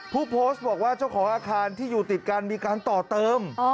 ผู้โพสต์บอกว่าเจ้าของอาคารที่อยู่ติดกันมีการต่อเติม